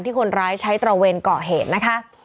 คนร้ายใช้ตระเวนก่อเหตุนะคะ